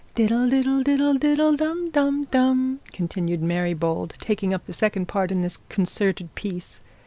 'Diddle, diddle, diddle, diddle, dum, dum, dum,' continued Mary Bold, taking up the second part in the concerted piece.